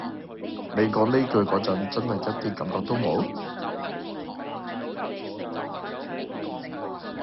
你講呢句嗰陣真係一啲感覺都冇？